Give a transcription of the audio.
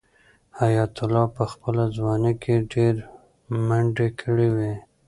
حیات الله په خپله ځوانۍ کې ډېرې منډې کړې وې.